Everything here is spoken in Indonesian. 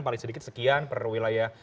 paling sedikit sekian per wilayah